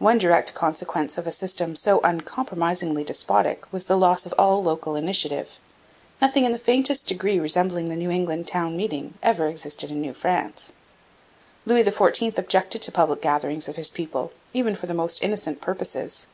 One direct consequence of a system so uncompromisingly despotic was the loss of all local initiative. Nothing in the faintest degree resembling the New England town meeting ever existed in New France. Louis XIV objected to public gatherings of his people, even for the most innocent purposes.